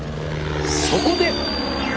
そこで！